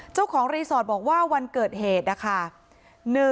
เจ้าของรีสอร์ทบอกว่าวันเกิดเหตุนะคะ